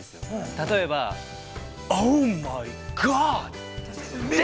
例えば、オー・マイ・ガッド！